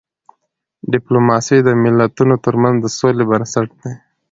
ډيپلوماسی د ملتونو ترمنځ د سولې بنسټ دی.